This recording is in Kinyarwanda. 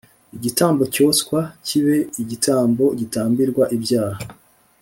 igitambo cyoswa kibe igitambo gitambirwa ibyaha